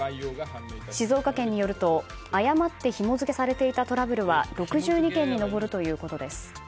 静岡県によると、誤ってひも付けされていたトラブルは６２件に上るということです。